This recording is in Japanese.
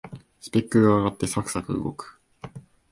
スペックが上がってサクサク動く